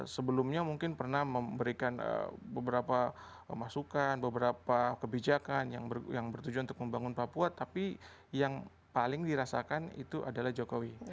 sebelumnya mungkin pernah memberikan beberapa masukan beberapa kebijakan yang bertujuan untuk membangun papua tapi yang paling dirasakan itu adalah jokowi